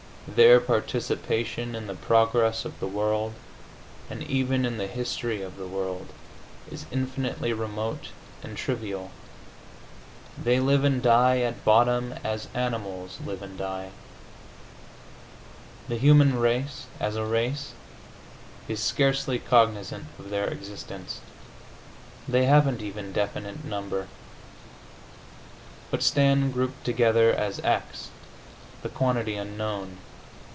Their participation in the progress of the world, and even in the history of the world, is infinitely remote and trivial. They live and die, at bottom, as animals live and die. The human race, as a race, is scarcely cognizant of their existence; they haven't even definite number, but stand grouped together as x, the quantity unknown